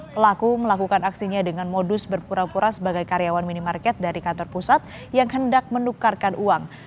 pelaku melakukan aksinya dengan modus berpura pura sebagai karyawan minimarket dari kantor pusat yang hendak menukarkan uang